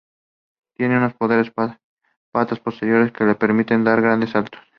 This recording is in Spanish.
Tiene unas poderosas patas posteriores que le permiten dar grandes saltos.